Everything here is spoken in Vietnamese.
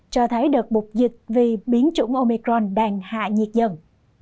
cho thấy đợt bục dịch vì biến chủng omicron đang hạ nhiệt dần